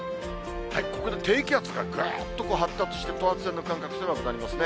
ここで低気圧がぐっと発達して、等圧線の間隔、狭くなりますね。